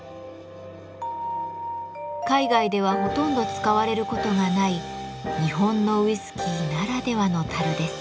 海外ではほとんど使われることがない日本のウイスキーならではの樽です。